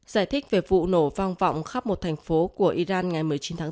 giải thích về vụ nổ vang vọng khắp một thành phố của iran ngày một mươi chín tháng bốn